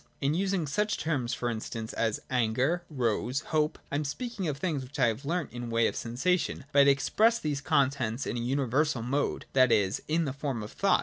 In using such terms, for instance, as anger, rose, hope, I am speaking of things which I have learnt in the way of sensation, but I express these contents in a universal mode, that is, in the form of thought.